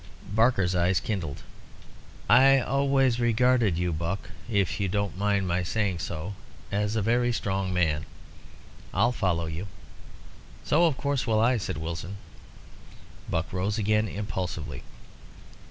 Barker's eyes kindled. "I always regarded you, Buck, if you don't mind my saying so, as a very strong man. I'll follow you." "So, of course, will I," said Wilson. Buck rose again impulsively.